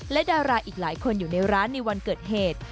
และดาราอีกหลายคนอยู่ในร้านในวันเกิดเหตุ